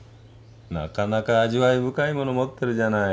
なかなか味わい深いもの持ってるじゃない。